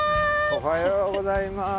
おはようございます。